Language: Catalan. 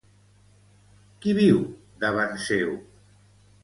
Qui viu davant seu?